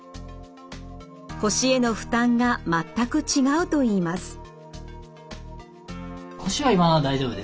腰への負担が全く違うといいます。